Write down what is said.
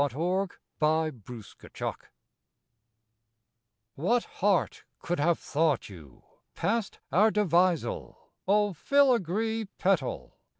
TO A SNOW FLAKE What heart could have thought you? Past our devisal (O filigree petal!)